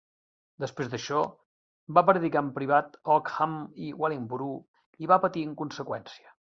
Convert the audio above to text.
Després d'això, va predicar en privat a Oakham i Wellingborough i va patir en conseqüència.